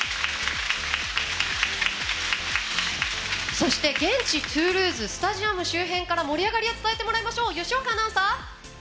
そして現地、トゥールーズスタジアム周辺から盛り上がりを伝えてもらいましょう。